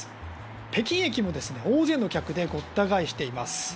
北京駅も大勢の客でごった返しています。